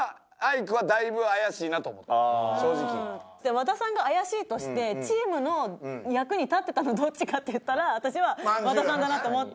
和田さんが怪しいとしてチームの役に立ってたのどっちかって言ったら私は和田さんだなと思って。